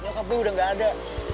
nyokap gue udah gak ada